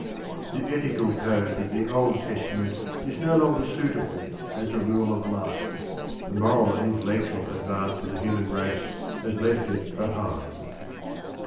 The ethical code of the Old Testament is no longer suitable as the rule of life. The moral and intellectual advance of the human race has left it behind.